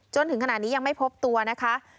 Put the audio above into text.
จนถึงขณะนี้ยังไม่พบตัวนะคะ